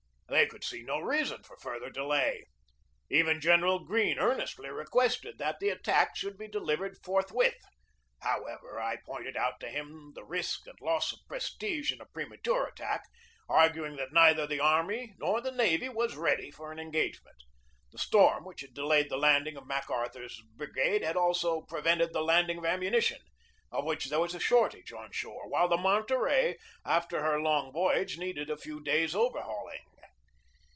They could see no reason for further delay. Even General Greene earnestly requested that the attack should be delivered forthwith. However, I pointed out to him the risk and loss of prestige in a premature attack, arguing that neither the army nor the navy was ready for an engagement. The storm which had de layed the landing of MacArthur's brigade had also prevented the landing of ammunition, of which there was a shortage on shore, while the Monterey after her long voyage needed a few days' overhauling.